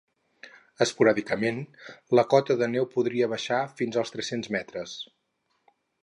Esporàdicament, la cota de neu podria baixar fins als tres-cents metres.